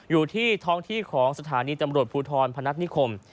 อยู่ที่ท้องที่ของสถานีตำรวจภูทรพนัฐนิคม